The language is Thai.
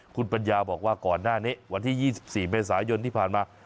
คุณปัญญาบอกว่าก่อนหน้านี้วันที่๒๔เมษายนที่ผ่านมา